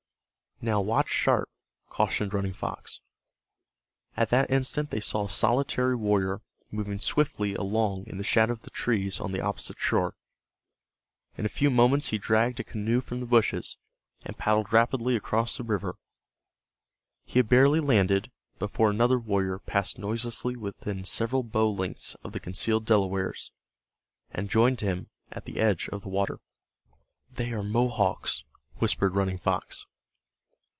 "Now watch sharp," cautioned Running Fox. At that instant they saw a solitary warrior moving swiftly along in the shadow of the trees on the opposite shore. In a few moments he dragged a canoe from the bushes, and paddled rapidly across the river. He had barely landed before another warrior passed noiselessly within several bow lengths of the concealed Delawares, and joined him at the edge of the water. "They are Mohawks," whispered Running Fox.